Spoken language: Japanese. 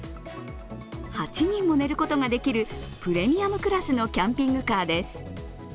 ８人も寝ることができるプレミアムクラスのキャンピングカーです。